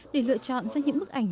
để lựa chọn ra những bức ảnh